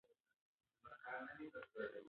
که ته وغواړې نو زه درسره مرسته کوم.